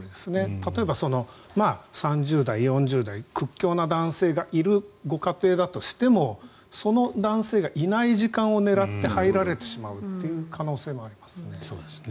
例えば、３０代、４０代屈強な男性がいるご家庭だとしてもその男性がいない時間を狙って入られてしまうという可能性もありますね。